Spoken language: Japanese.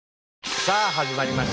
さあ始まりました